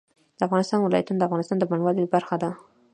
د افغانستان ولايتونه د افغانستان د بڼوالۍ برخه ده.